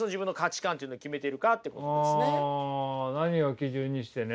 あ何を基準にしてね。